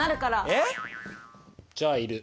えっ？じゃあいる。